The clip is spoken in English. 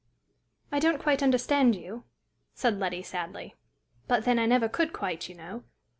"I don't quite understand you," said Letty, sadly; "but, then, I never could quite, you know.